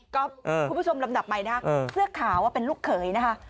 คุณผู้ชมลำดับใหม่นะเสื้อขาวเป็นลูกเขยนะคะ